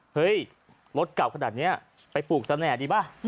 เฮ้ยรถเก่าขนาดนี้ไปปลูกเสน่ห์ดีป่ะ